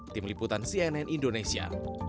tim liputan cnn indonesia